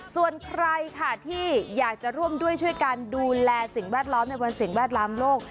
ส่วนใครค่ะที่อยากจะร่วมด้วยช่วยกันดูแลสิ่งแวดล้อมในวันสิ่งแวดล้อมโลก